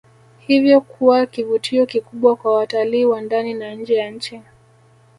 Hivyo kuwa kivutio kikubwa kwa watalii wa ndani na nje ya nchi